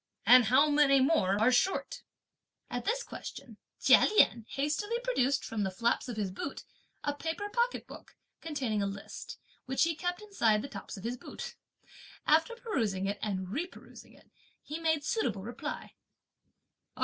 and how many more are short?" At this question, Chia Lien hastily produced, from the flaps of his boot, a paper pocket book, containing a list, which he kept inside the tops of his boot. After perusing it and reperusing it, he made suitable reply.